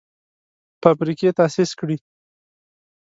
فابریکې تاسیس کړي.